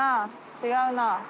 違うな。